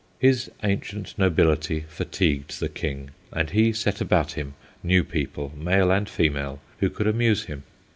His ancient nobility fatigued the King, and he set about him new people, male and female, who could amuse him.